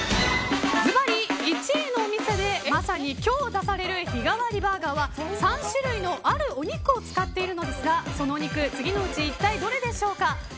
ずばり１位のお店でまさに今日出される日替わりバーガーは３種類のあるお肉を使っているのですがそのお肉次のうちどれでしょうか。